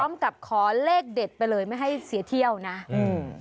ขอเลขเด็ดไปเลยไม่ให้เสียเที่ยวนะอืม